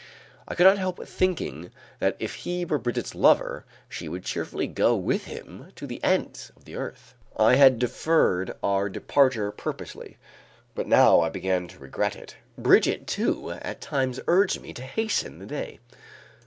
I could not help thinking that if he were Brigitte's lover, she would cheerfully go with him to the ends of the earth. I had deferred our departure purposely, but now I began to regret it. Brigitte, too, at times urged me to hasten the day.